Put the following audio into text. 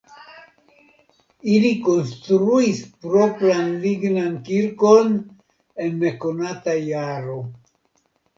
Ili konstruis propran lignan kirkon en nekonata jaro.